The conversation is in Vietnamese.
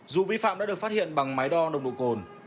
dù vi phạm đã được phát hiện bằng máy đo nồng độ cồn